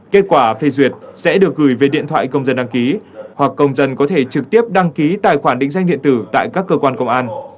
kết quả phê duyệt sẽ được gửi về điện thoại công dân đăng ký hoặc công dân có thể trực tiếp đăng ký tài khoản định danh điện tử tại các cơ quan công an